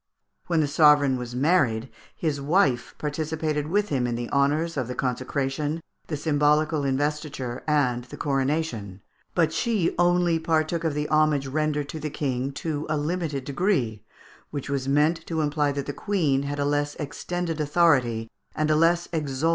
When the sovereign was married, his wife participated with him in the honours of the consecration, the symbolical investiture, and the coronation; but she only partook of the homage rendered to the King to a limited degree, which was meant to imply that the Queen had a less extended authority and a less exalted rank.